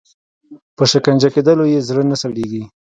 په شکنجه کېدلو یې زړه نه سړیږي.